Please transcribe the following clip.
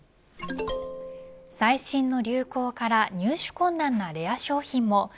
最新の流行から入手困難なレア商品も。